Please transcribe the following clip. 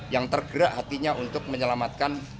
yang tergerak hatinya untuk menyelamatkan